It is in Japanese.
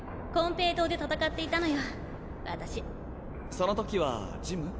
そのときはジム？